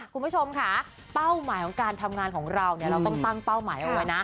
คุณผู้ชมค่ะเป้าหมายของการทำงานของเราเนี่ยเราต้องตั้งเป้าหมายเอาไว้นะ